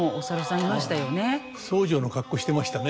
僧正の格好していましたね。